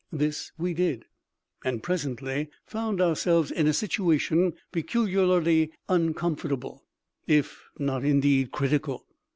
This we did, and presently found ourselves in a situation peculiarly uncomfortable, if not indeed critical.